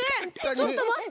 ちょっとまって！